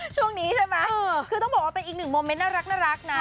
ช่วงนี้ใช่ไหมคือต้องบอกว่าเป็นอีกหนึ่งโมเมนต์น่ารักนะ